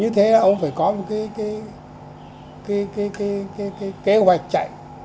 như thế là ông phải có một cái kế hoạch chạy